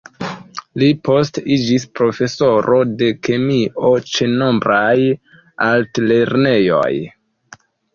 Li poste iĝis profesoro de kemio ĉe nombraj altlernejoj.